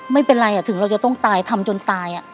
ไม่เป็นไรถึงต้องทำจนตาย